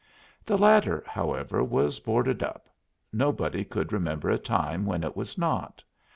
The latter, however, was boarded up nobody could remember a time when it was not.